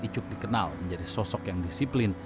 icuk dikenal menjadi sosok yang disiplin